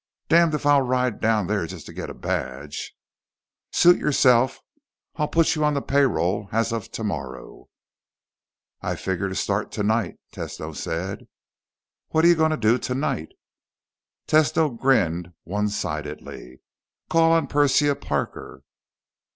"Damned if I'll ride down there just to get a badge." "Suit yourself. I'll put you on the payroll as of tomorrow." "I figure to start tonight," Tesno said. "What you going to do tonight?" Tesno grinned one sidedly. "Call on Persia Parker."